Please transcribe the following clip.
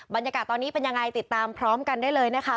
บรรยากาศตอนนี้เป็นยังไงติดตามพร้อมกันได้เลยนะคะ